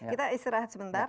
kita istirahat sebentar